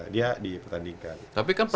dia di pertandingan